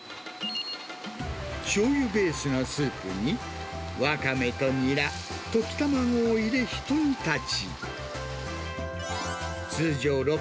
しょうゆベースのスープに、ワカメとニラ、溶き卵を入れひと煮立ち。